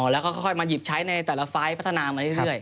แล้วก็ค่อยมาหยิบใช้ในแต่ละไฟล์พัฒนามาเรื่อย